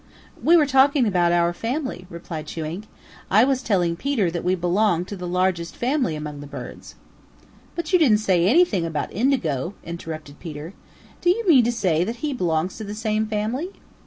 "We were talking about our family," replied Chewink. "I was telling Peter that we belong to the largest family among the birds." "But you didn't say anything about Indigo," interrupted Peter. "Do you mean to say that he belongs to the same family?"